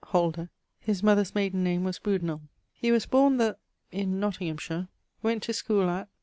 Holder; his mother's mayden name was Brudenell. He was borne the ... in Nottinghamshire; went to schoole at